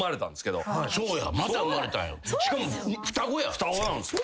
双子なんすよ。